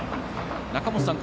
中本さん